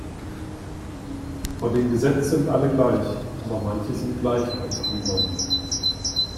Vor dem Gesetz sind alle gleich, aber manche sind gleicher als andere.